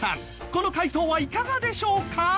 この回答はいかがでしょうか？